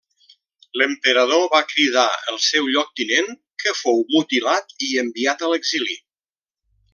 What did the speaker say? L'emperador va cridar el seu lloctinent, que fou mutilat i enviat a l'exili.